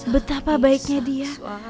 betapa baiknya dia